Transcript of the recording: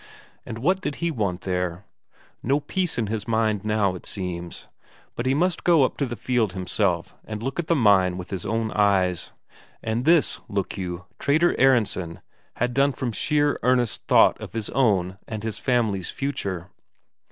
What did he want there? No peace in his mind now, it seems, but he must go up the fjeld himself and look at the mine with his own eyes. And this, look you, Trader Aronsen had done from sheer earnest thought of his own and his family's future.